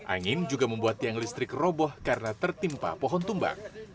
angin juga membuat tiang listrik roboh karena tertimpa pohon tumbang